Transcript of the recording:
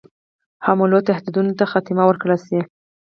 حملو تهدیدونو ته خاتمه ورکړه شي.